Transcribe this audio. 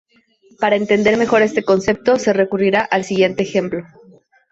Para entender mejor este concepto, se recurrirá al siguiente ejemplo.